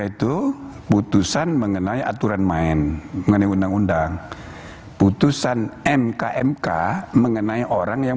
itu putusan mengenai aturan main mengenai undang undang putusan mkmk mengenai orang yang